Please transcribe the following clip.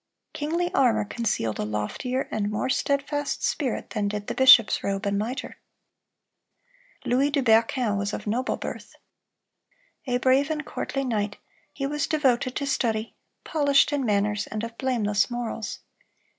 Kingly armor concealed a loftier and more steadfast spirit than did the bishop's robe and mitre. Louis de Berquin was of noble birth. A brave and courtly knight, he was devoted to study, polished in manners, and of blameless morals.